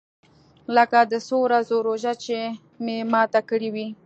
لکه د څو ورځو روژه چې مې ماته کړې وي.